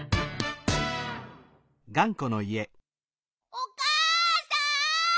・おかあさん！